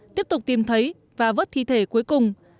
tiếp tục tìm thấy và vớt thi thể cuối cùng